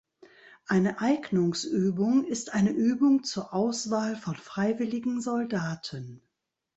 Eine Eignungsübung ist eine Übung zur Auswahl von freiwilligen Soldaten.